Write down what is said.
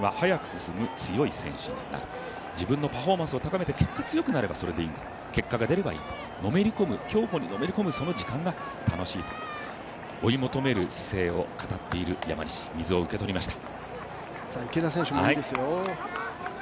更には速く進む強い選手になる、自分のパフォーマンスを高めて結果、強くなればそれでいいんだ結果が出ればいい、競歩にのめり込む、その時間が楽しいと追い求める姿勢を語っている山西水を受け取りました。